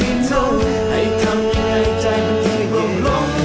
ให้ทำยังไงใจมันถึงปลงลง